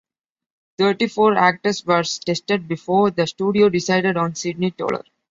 Thirty-four actors were tested before the studio decided on Sidney Toler.